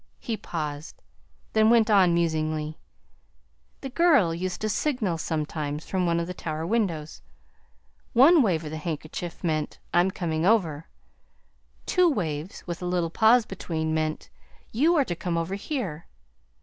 He paused, then went on musingly: "The girl used to signal, sometimes, from one of the tower windows. One wave of the handkerchief meant, 'I'm coming, over'; two waves, with a little pause between, meant, 'You are to come over here.'